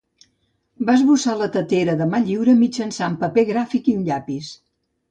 Va esbossar la tetera de mà lliure mitjançant paper gràfic i un llapis.